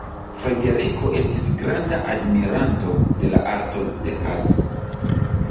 Frederiko estis granda admiranto de la arto de Hasse.